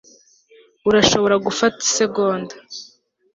urashobora gufata isegonda